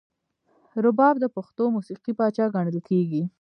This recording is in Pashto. رباب د پښتو موسیقۍ پاچا ګڼل کیږي.